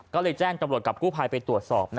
ก็เลยแจ้งตำรวจกับกู้ภัยไปตรวจสอบ